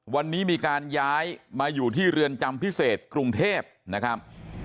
วันนี้มีการย้ายมาอยู่ที่เรือนจำพิเศษกรุงเทพนะครับ